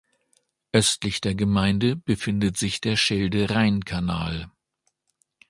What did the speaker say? Östlich der Gemeinde befindet sich der Schelde-Rhein-Kanal.